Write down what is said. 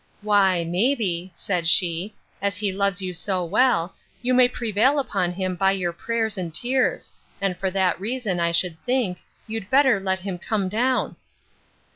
Why, may be, said she, as he loves you so well, you may prevail upon him by your prayers and tears; and for that reason, I should think, you'd better let him come down.